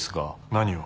「何を？」